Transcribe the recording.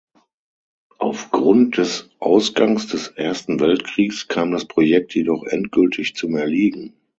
Aufgrund des Ausgangs des Ersten Weltkriegs kam das Projekt jedoch endgültig zum Erliegen.